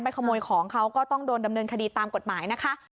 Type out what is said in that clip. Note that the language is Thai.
ขโมยของเขาก็ต้องโดนดำเนินคดีตามกฎหมายนะคะ